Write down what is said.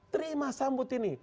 terima sambut ini